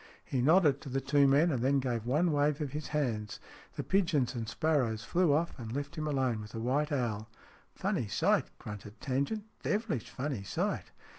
He nodded to the two men, and then gave one wave of his hands. The pigeons and sparrows flew off and left him alone with the white owl. " Funny sight !" grunted Tangent. " Devilish funny sight